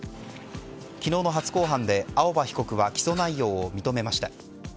昨日の初公判で青葉被告は起訴内容を認めました。